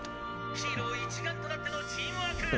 「ヒーロー一丸となってのチームワーク！